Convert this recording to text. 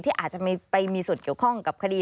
อาจจะไปมีส่วนเกี่ยวข้องกับคดี